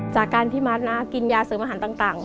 จากการที่มัสกินยาเสริมอาหารต่าง